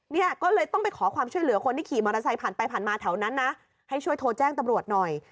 เนี่ยก็เลยต้องไปขอความช่วยเหลือคนที่ขี่มอเตอร์ไซค์ผ่านไปผ่านมาแถวนั้นนะให้ช่วยโทรแจ้งตำรวจหน่อย